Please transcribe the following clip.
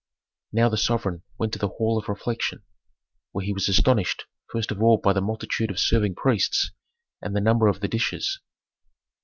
Now the sovereign went to the hall of refection, where he was astonished first of all by the multitude of serving priests and the number of the dishes.